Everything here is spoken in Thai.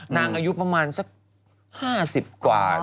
อายุประมาณสัก๕๐กว่า